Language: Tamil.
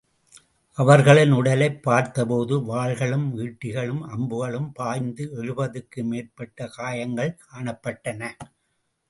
அவர்களின் உடலைப் பார்த்த போது வாள்களும், ஈட்டிகளும், அம்புகளும் பாய்ந்து எழுபதுக்கு மேற்பட்ட காயங்கள் காணப்பட்டன.